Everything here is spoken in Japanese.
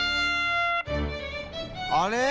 あれ？